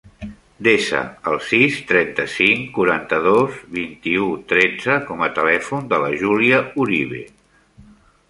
Desa el sis, trenta-cinc, quaranta-dos, vint-i-u, tretze com a telèfon de la Júlia Orive.